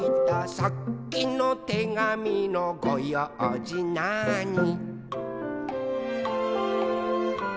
「さっきのてがみのごようじなーに」